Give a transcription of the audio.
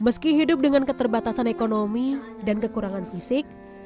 meski hidup dengan keterbatasan ekonomi dan kekurangan fisik